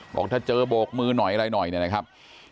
บอกถ้าเจอโบกมือหน่อยเนี่ยนะครับ